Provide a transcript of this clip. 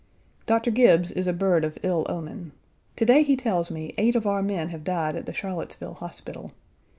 Doctor Gibbes is a bird of ill omen. To day he tells me eight of our men have died at the Charlottesville Hospital.